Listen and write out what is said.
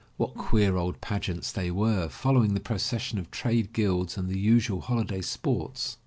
What queer old pageants they were, fol lowing the procession of trade guilds and the usual holiday sports.